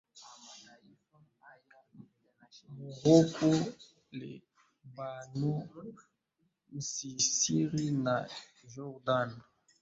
morocco lebanon misiri na jordan